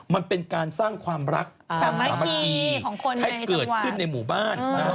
มันเป็นการสร้างความรักสร้างสามัคคีให้เกิดขึ้นในหมู่บ้าน